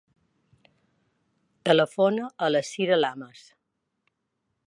Telefona a la Cira Lamas.